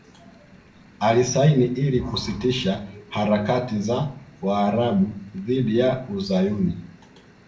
Alisaini ili kusitisha harakati za Waarabu dhidi ya Uzayuni